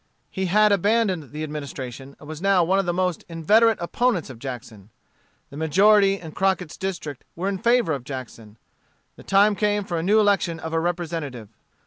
He had abandoned the Administration, and was now one of the most inveterate opponents of Jackson. The majority in Crockett's district were in favor of Jackson. The time came for a new election of a representative.